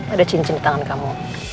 ada cincin di tangan kamu